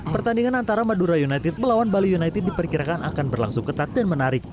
pertandingan antara madura united melawan bali united diperkirakan akan berlangsung ketat dan menarik